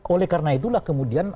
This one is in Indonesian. oleh karena itulah kemudian